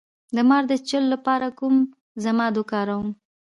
د مار د چیچلو لپاره کوم ضماد وکاروم؟